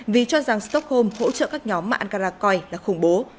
vì cho rằng stockholm hỗ trợ các nhóm mà ankara coi là khủng bố